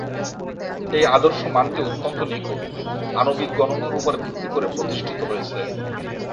এই আদর্শ মানটি অত্যন্ত নিখুঁত আণবিক গণনার উপর ভিত্তি করে প্রতিষ্ঠিত হয়েছে।